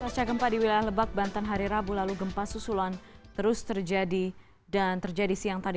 pasca gempa di wilayah lebak banten hari rabu lalu gempa susulan terus terjadi dan terjadi siang tadi